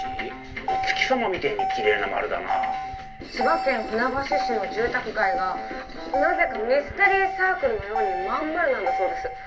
お月様みてえにきれいな丸だな千葉県船橋市の住宅街がなぜかミステリーサークルのようにまん丸なんだそうです